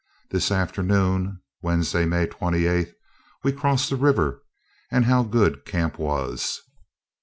This afternoon [Wednesday, May 28], we crossed the river; and how good camp was!